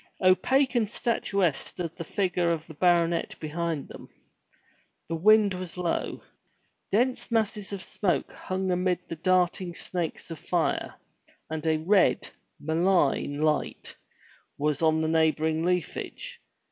Opaque and statuesque stood the figure of the baronet behind them. The wind was low. Dense masses of smoke hung amid the darting snakes of fire, and a red, malign, light was on the neighboring leafage.